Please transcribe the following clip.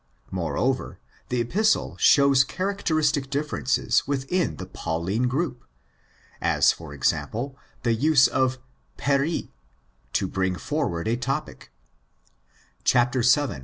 Moreover, the Epistle shows characteristic differences within the Pauline group—as, for example, the use of wept to bring forward a topic (vii.